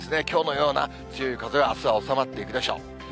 きょうのような強い風は、あすは収まっていくでしょう。